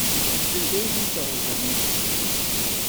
Anda ay tent-teɣzam?